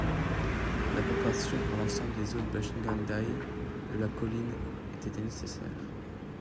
L'approbation par l'ensemble des autres bashingantahe de la colline était nécessaire.